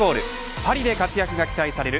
パリで活躍が期待される